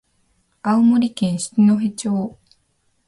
青森県七戸町